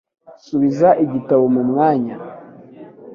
Subiza igitabo mu mwanya.